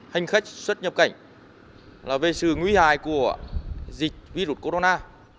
hành khách xuất nhập cảnh là về sự nguy hại của dịch virus corona